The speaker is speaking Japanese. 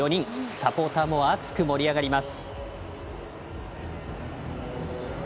サポーターも熱く盛り上がります。